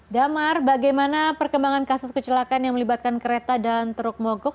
damar bagaimana perkembangan kasus kecelakaan yang melibatkan kereta dan truk mogok